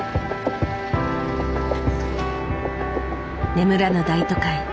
眠らぬ大都会。